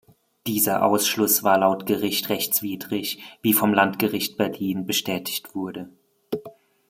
Dieser Ausschluss war laut Gericht rechtswidrig, wie vom Landgericht Berlin bestätigt wurde.